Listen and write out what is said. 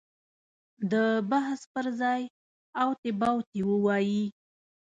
د بحث پر ځای اوتې بوتې ووایي.